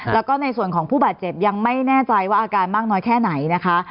แล้วก็ในส่วนของผู้บาดเจ็บยังไม่แน่ใจว่าอาการมากน้อยแค่ไหนนะคะ